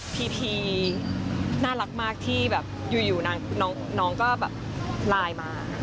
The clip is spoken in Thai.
พีพีน่ารักมากที่แบบอยู่นางก็แบบไลน์มา